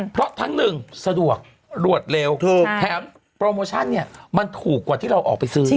เพราะทั้งหนึ่งสะดวกรวดเร็วแถมโปรโมชั่นเนี่ยมันถูกกว่าที่เราออกไปซื้อ